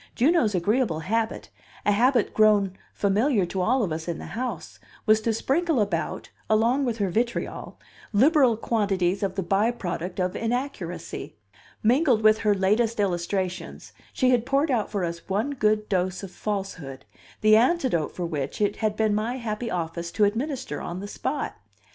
Juno's agreeable habit, a habit grown familiar to all of us in the house, was to sprinkle about, along with her vitriol, liberal quantities of the by product of inaccuracy. Mingled with her latest illustrations, she had poured out for us one good dose of falsehood, the antidote for which it had been my happy office to administer on the spot.